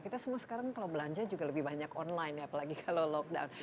kita semua sekarang kalau belanja juga lebih banyak online ya apalagi kalau lockdown